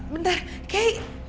bentar kay